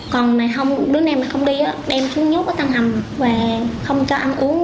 còn đứa này mà không đi đem xuống nhốt ở tầng hầm và không cho ăn uống